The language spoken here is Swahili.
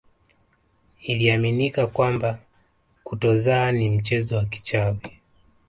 Iliaminika kwamba kutozaa ni mchezo wa kichawi